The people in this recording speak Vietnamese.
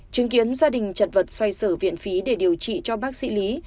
chứng kiến gia đình chật vật xoay sở viện phí để điều trị cho bác sĩ lý